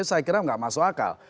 saya kira nggak masuk akal